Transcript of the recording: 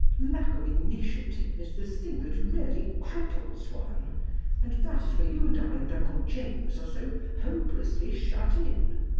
Lack of initiative is the thing that really cripples one, and that is where you and I and Uncle James are so hopelessly shut in.